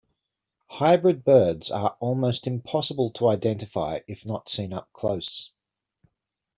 Hybrid birds are almost impossible to identify if not seen up close.